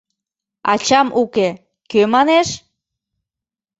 «Ачам уке» — кӧ манеш?